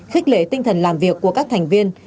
khích lệ tinh thần làm việc của các thành viên